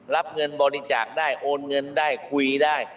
รับเงินบริจาคได้โอนเงินได้คุยได้